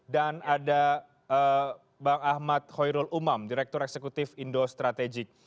dan ada bang ahmad khoyrul umam direktur eksekutif indo strategik